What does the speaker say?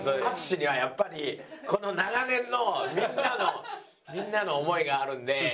淳にはやっぱりこの長年のみんなのみんなの思いがあるんで。